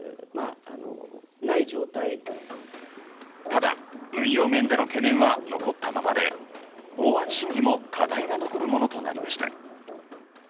ただ、運用面での懸念は残ったままで法案審議も課題が残るものとなりました。